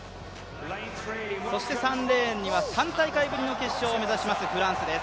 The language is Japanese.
３レーンには３大会ぶりの決勝を目指しますフランスです。